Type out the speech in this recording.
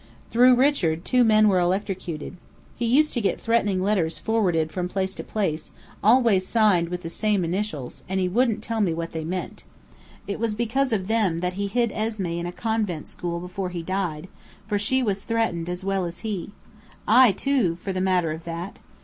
Through Richard two men were electrocuted. He used to get threatening letters forwarded from place to place, always signed with the same initials, and he wouldn't tell me what they meant. It was because of them that he hid Esmé in a convent school before he died; for she was threatened as well as he. I, too, for the matter of that!